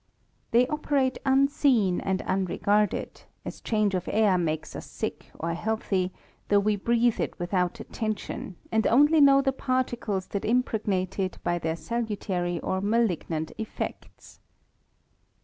They operate unseen alf^l unregarded, as change of air makes us sick or hesAhy, though we breathe it without attention, and only know the particles that impregnate it by their salutary or malignant effects.